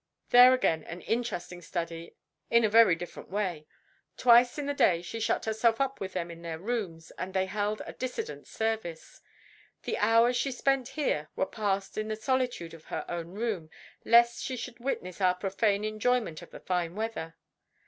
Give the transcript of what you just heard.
There again, an interesting study, in a very different way. Twice in the day she shut herself up with them in their rooms, and they held a dissident service. The hours she spent here were passed in the solitude of her own room, lest she should witness our profane enjoyment of the fine weather.